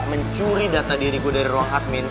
mencuri data diri gua dari ruang admin